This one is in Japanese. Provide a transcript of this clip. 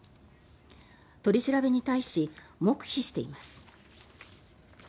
取り調べに対し黙秘しています。